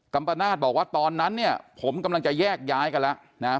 ปนาศบอกว่าตอนนั้นเนี่ยผมกำลังจะแยกย้ายกันแล้วนะครับ